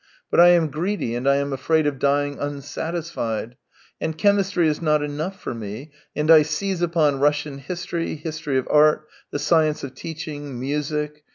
" But I am greedy, and I am afraid of dying unsatisfied ; and chemistry is not enough for me, and I seize upon Russian history, history of art, the science of teaching, music.